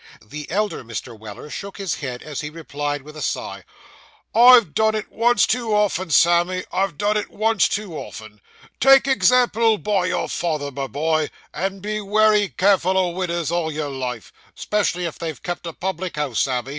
The elder Mr. Weller shook his head, as he replied with a sigh, 'I've done it once too often, Sammy; I've done it once too often. Take example by your father, my boy, and be wery careful o' widders all your life, 'specially if they've kept a public house, Sammy.